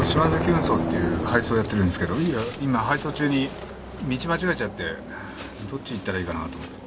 運送っていう配送やってるんですけど今配送中に道間違えちゃってどっち行ったらいいかなと思って。